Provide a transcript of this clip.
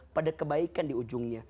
pada kebaikan di ujungnya